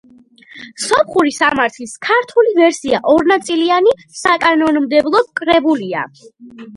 სომხური სამართლის ქართული ვერსია ორნაწილიანი საკანონმდებლო კრებულია.